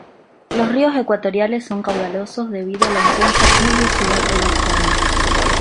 Los ríos ecuatoriales son caudalosos debido a la intensa pluviosidad de la zona.